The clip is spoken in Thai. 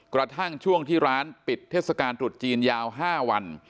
กระทั่งช่วงที่ร้านปิดเทศกาลตรุษจีนยาว๕วัน